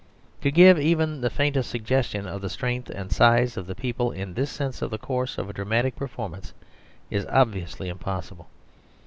To give even the faintest suggestion of the strength and size of the people in this sense in the course of a dramatic performance is obviously impossible.